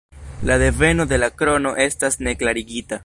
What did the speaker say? La deveno de la krono estas ne klarigita.